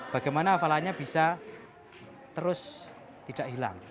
bagaimana hafalannya bisa terus tidak hilang